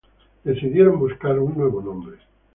Decidieron buscar un nuevo nombre.